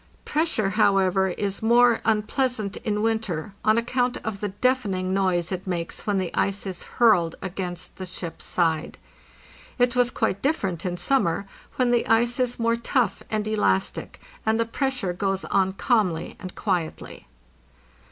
Pressure, however, is more unpleasant in winter, on ac count of the deafening noise it makes when the ice is hurled against the ship's side. It was quite different in summer, when the ice is more tough and elastic, and the pressure goes on calmly and quietly.